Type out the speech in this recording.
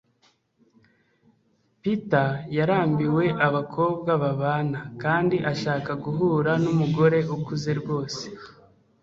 Peter yarambiwe abakobwa babana kandi ashaka guhura numugore ukuze rwose